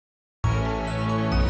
ustadz jaki udah bebas